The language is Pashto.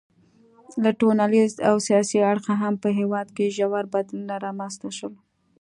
له ټولنیز او سیاسي اړخه هم په هېواد کې ژور بدلونونه رامنځته شول.